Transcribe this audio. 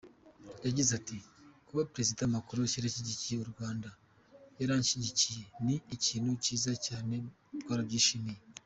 Yagize ati ‘‘Kuba Perezida Macron yarashyigikiye u Rwanda, yaranshyigikiye ni ikintu cyiza cyane twarabishimye.